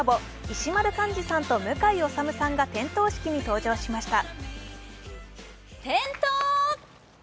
石丸幹二さんと向井理さんが点灯式に登場しました。